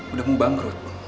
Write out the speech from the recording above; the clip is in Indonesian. udah mau bangkrut